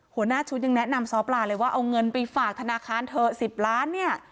หัวหน้าชุดยังแนะนำซ้อปลาเลยว่าเอาเงินไปฝากธนาคารเถอะ๑๐ล้านเนี่ย